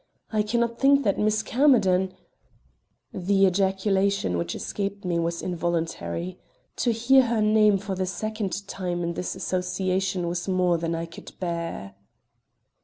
I can not think that Miss Camerden " The ejaculation which escaped me was involuntary. To hear her name for the second time in this association was more than I could bear.